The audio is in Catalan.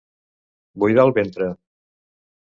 Buidar el ventre.